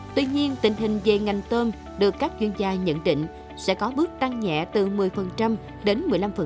tuy nhiên tình hình về ngành tôm được các chuyên gia nhận định sẽ có bước tăng nhẹ từ một mươi đến một mươi năm